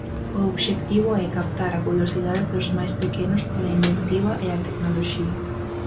O obxectivo é captar a curiosidade dos máis pequenos pola inventiva e a tecnoloxía.